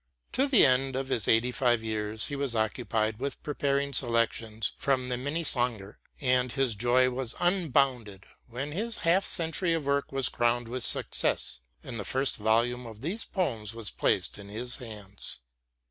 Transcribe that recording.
To the end of his eighty five years he was occupied with preparing selections from the Minnesänger, and his joy was unbounded when his half century of work was crowned with success, and the first volume of these poems was placed in his hands.